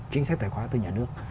chính sách tài khoá từ nhà nước